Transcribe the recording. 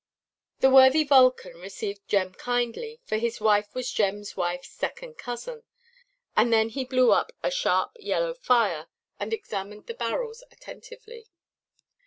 The worthy Vulcan received Jem kindly, for his wife was Jemʼs wifeʼs second cousin; and then he blew up a sharp yellow fire, and examined the barrels attentively.